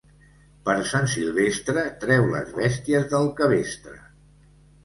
Per Sant Silvestre treu les bèsties del cabestre.